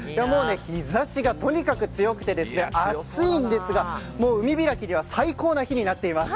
日差しがとにかく強くて暑いんですが海開きには最高の日になっています。